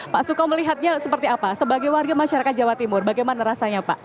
pak suko melihatnya seperti apa sebagai warga masyarakat jawa timur bagaimana rasanya pak